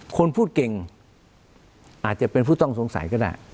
คนพูดเก่งอาจจะเป็นผู้ต้องสงสัยก็ได้